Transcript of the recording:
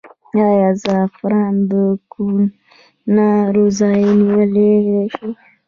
آیا زعفران د کوکنارو ځای نیولی شي؟